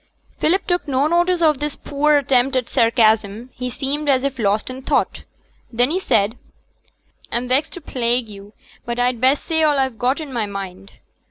Philip took no notice of this poor attempt at sarcasm: he seemed as if lost in thought, then he said, 'I'm vexed to plague yo', but I'd best say all I've got i' my mind.